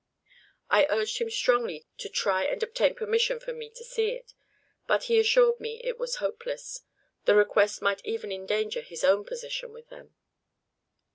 I urged him strongly to try and obtain permission for me to see it, but he assured me it was hopeless, the request might even endanger his own position with them.